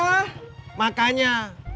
lu jangan nyadar aku ya